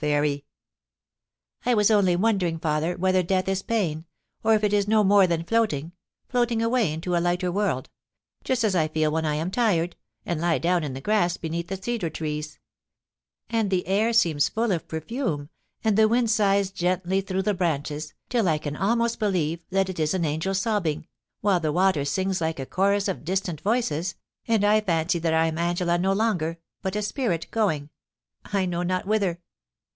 Fairy ?'* I was only wondering, father, whether death is pain, or if it is no more than floating — floating away into a lighter world — ^just as I feel when I am tired, and lie down in the grass beneath the cedar trees — and the air seems full of per fume, and the wind sighs gently through the branches, till I TOM DVNGIE GOSSIPS. 275 can almost believe that it is an angel sobbing, while the water sings like a chorus of distant voices, and I fancy that I am Angela no longer, but a spirit going — I know not whither.